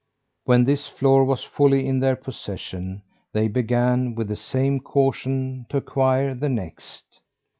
When this floor was wholly in their possession, they began, with the same caution, to acquire the next.